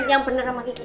sini duduk sama kiki